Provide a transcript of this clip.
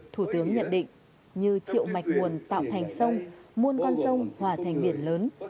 thủ tướng nhận định như triệu mạch nguồn tạo thành sông muôn con sông hòa thành biển lớn